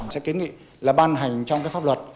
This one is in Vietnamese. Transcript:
sẽ kiến nghị là ban hành trong pháp luật